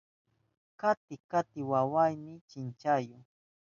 Kati kati wawayni kichahun.